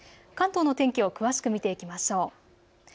関東の天気を詳しく見ていきましょう。